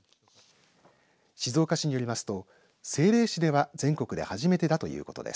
静岡市によりますと政令市では全国で初めてだということです。